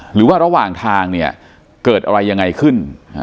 หรือว่าระหว่างทางเนี่ยเกิดอะไรยังไงขึ้น